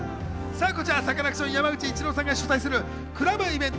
サカナクション・山口一郎さんが主催するクラブイベント